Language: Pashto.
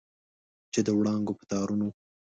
چې د وړانګو په تارونو